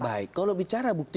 baik kalau bicara bukti